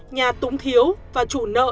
nhà túng thiếu và chủ nước đã bị đánh bạc